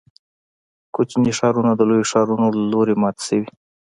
کوچني ښارونه د لویو ښارونو له لوري مات شوي.